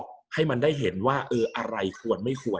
อย่างน้อยก็กรอกให้มันได้เห็นว่าเอออะไรควรไม่ควร